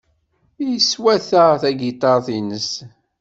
Yeswata tagiṭart-nnes.